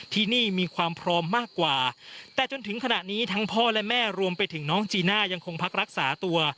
ที่นี่มีความพร้อมมากกว่าแต่จนถึงขณะนี้ทั้งพ่อและแม่รวมไปถึงน้องจีน่ายังคงพักรักษาตัว